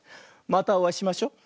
またおあいしましょ。